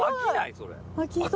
それ。